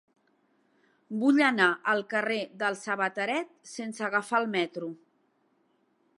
Vull anar al carrer del Sabateret sense agafar el metro.